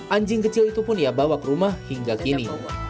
anjing kecil itu pun ia bawa ke rumah hingga kini